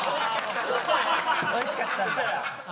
おいしかったんだ。